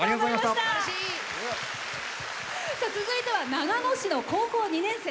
続いては、長野市の高校２年生。